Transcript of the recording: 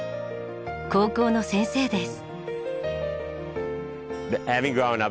高校の先生です。